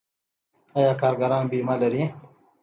آیا کارګران بیمه لري؟